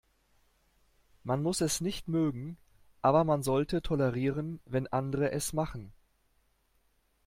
Man muss es nicht mögen, aber man sollte tolerieren, wenn andere es machen.